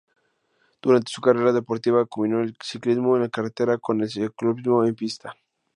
Durante su carrera deportiva combinó el ciclismo en carretera con el ciclismo en pista.